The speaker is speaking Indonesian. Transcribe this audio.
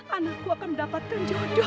anakku akan mendapatkan jodoh